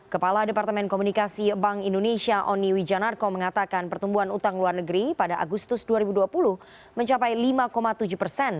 kepala departemen komunikasi bank indonesia oni wijanarko mengatakan pertumbuhan utang luar negeri pada agustus dua ribu dua puluh mencapai lima tujuh persen